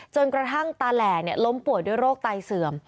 จนกระทั่งตาแหล่ล้มป่วยด้วยโรคไตเสื่อม